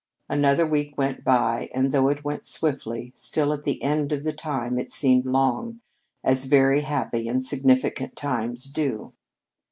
XXX Another week went by, and though it went swiftly, still at the end of the time it seemed long, as very happy and significant times do.